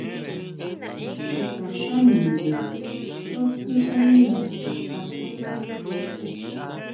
Chutaxá ningun xú sinyánda kanjó saá.